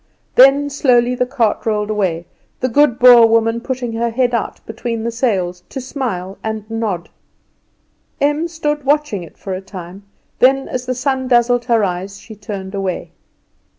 Then slowly the cart rolled away, the good Boer woman putting her head out between the sails to smile and nod. Em stood watching it for a time, then as the sun dazzled her eyes she turned away.